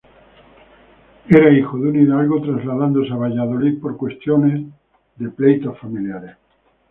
Era hijo de un hidalgo, trasladándose a Valladolid por cuestiones de pleitos familiares.